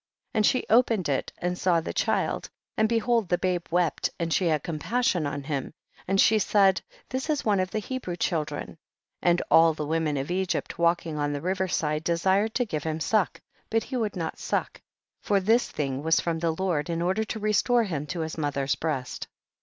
19. And she opened it and saw the child, and behold the babe wept, and she had compassion on him, and she said, this is one of the Hebrew chil dren. 20. And all the women of Egypt walking on the river side desired to give him suck, but he would not suck, for this thing was from the Lord, in order to restore him to his mother's breast.